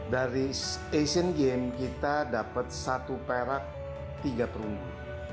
dari asian games kita dapat satu perak tiga perunggu